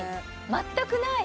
全くない！